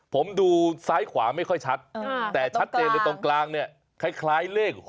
ผมดูซ้ายขวาไม่ค่อยชัดแต่ชัดเจนเลยตรงกลางเนี่ยคล้ายเลข๖